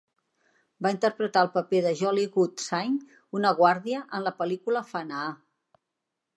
Va interpretar el paper de Jolly Good Singh, una guàrdia, en la pel·lícula "Fanaa".